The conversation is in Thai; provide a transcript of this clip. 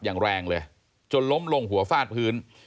อย่างแรงเลยจนล้มลงหัวฟาดพื้น